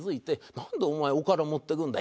なんでお前おから持っていくんだい？